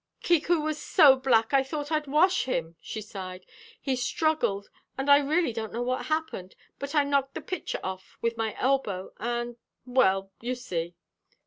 "Kiku was so black I thought I'd wash him," she sighed. "He struggled, and I really don't know what happened, but I knocked the pitcher off with my elbow, and well, you see!"